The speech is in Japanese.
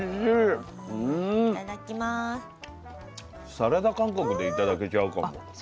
サラダ感覚で頂けちゃうかも。